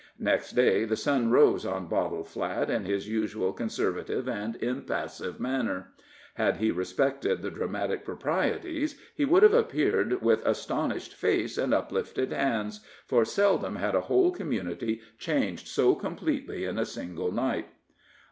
Next day the sun rose on Bottle Flat in his usual conservative and impassive manner. Had he respected the dramatic proprieties, he would have appeared with astonished face and uplifted hands, for seldom had a whole community changed so completely in a single night.